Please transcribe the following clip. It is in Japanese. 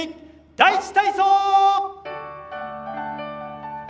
「第１体操」！